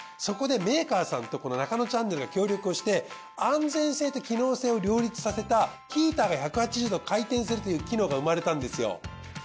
そこでメーカーさんとこの『ナカノチャンネル』が協力をして安全性と機能性を両立させたヒーターが１８０度回転するという機能が生まれたんですよ。